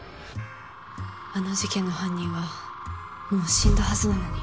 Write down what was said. あの事件の犯人はもう死んだはずなのに。